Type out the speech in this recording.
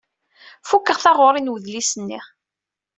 Fukkeɣ taɣuṛi n wedlis-nni.